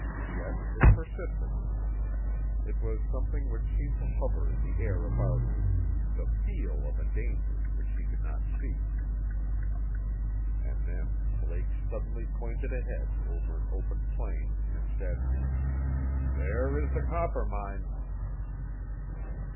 Yet it persisted. It was something which seemed to hover in the air about him the FEEL of a danger which he could not see. And then Blake suddenly pointed ahead over an open plain and said: "There is the Coppermine."